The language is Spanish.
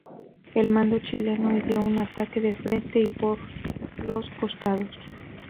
El mando chileno ideó un ataque de frente y por los costados.